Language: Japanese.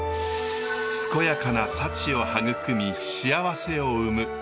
健やかな幸を育み幸せを生む。